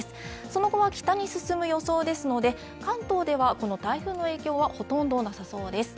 その後は北に進む予想ですので、関東では、この台風の影響はほとんどなさそうです。